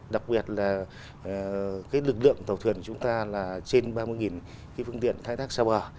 đặc biệt là lực lượng tàu thuyền của chúng ta là trên ba mươi cái phương tiện khai thác xa bờ